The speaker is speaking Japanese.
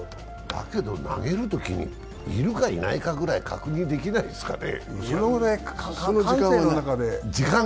だけど、投げるときにいるかいないかぐらい確認できないですかね？